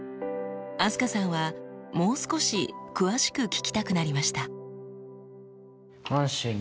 飛鳥さんはもう少し詳しく聞きたくなりました。